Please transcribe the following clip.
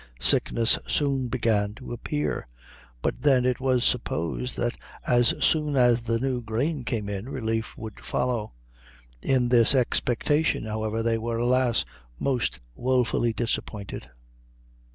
Sickness soon began to appear; but then it was supposed that as soon as the new grain came in, relief would follow. In this expectation, however, they were, alas! most wofully disappointed.